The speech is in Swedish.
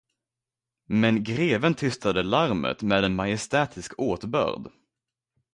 Men greven tystade larmet med en majestätisk åtbörd.